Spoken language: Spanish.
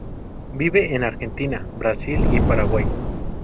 Vive en Argentina, Brasil y Paraguay.